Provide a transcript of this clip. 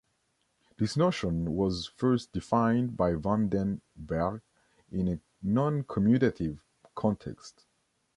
This notion was first defined by Van den Bergh in a noncommutative context.